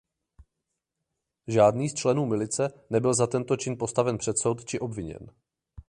Žádný z členů milice nebyl za tento čin postaven před soud či obviněn.